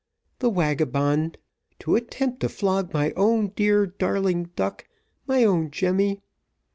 The wagabond, to attempt to flog my own dear, darling duck my own Jemmy.